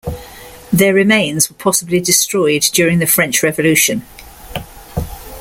Their remains were possibly destroyed during the French Revolution.